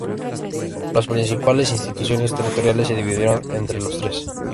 Las principales instituciones territoriales se dividieron entre los tres: St.